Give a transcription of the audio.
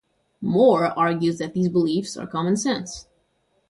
Moore argues that these beliefs are common sense.